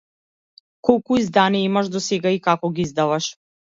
Колку изданија имаш досега и како ги издаваш?